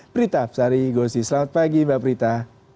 prita absari gosi selamat pagi mbak prita